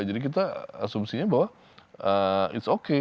jadi kita asumsinya bahwa it s okay